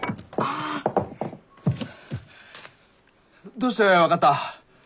どうして分かった？